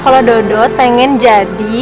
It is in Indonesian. kalau dodot pengen jadi